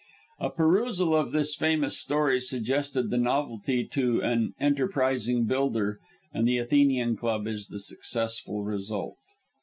A perusal of this famous story suggested the novelty to an enterprising builder, and the Athenian Club is the successful result.